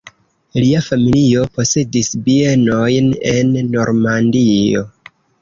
Lia familio posedis bienojn en Normandio.